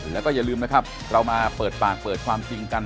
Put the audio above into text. แล้วก็อย่าลืมนะครับเรามาเปิดปากเปิดความจริงกัน